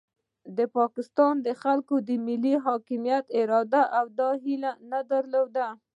د پاکستان د خلکو د ملي حاکمیت اراده دا هیله نه درلوده.